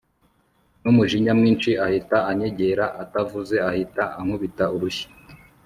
numujinya mwinshi ahita anyegera atavuze ahita ankubita urushyi